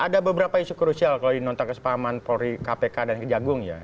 ada beberapa isu krusial kalau di nontak kesepakaman polri kpk dan kejagung ya